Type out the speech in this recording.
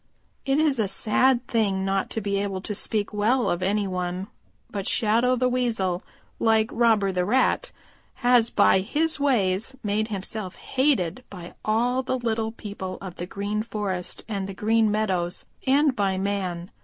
"It is a sad thing not to be able to speak well of any one, but Shadow the Weasel, like Robber the Rat, has by his ways made himself hated by all the little people of the Green Forest and the Green Meadows and by man.